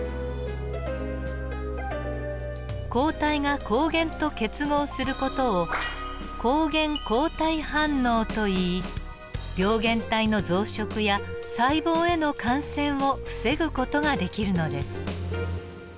抗体が抗原と結合する事を抗原抗体反応といい病原体の増殖や細胞への感染を防ぐ事ができるのです。